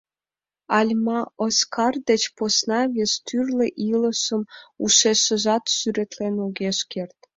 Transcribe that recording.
Альма Оскар деч посна вес тӱрлӧ илышым ушешыжат сӱретлен огеш керт.